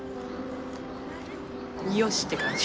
「よし！」って感じ。